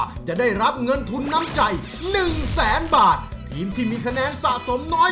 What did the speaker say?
เมื่อกว่าจะได้รับเงินทุนน้ำใจ๑แสนบาททีมที่มีคะแนนสะสมน้อย